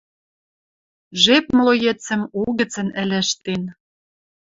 Жеп млоецӹм угӹцӹн ӹлӹжтен